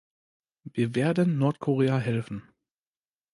Wir werden Nordkorea helfen.